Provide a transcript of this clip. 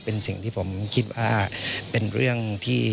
เป็นสิ่งที่ผมคิดว่าเป็นเรื่องที่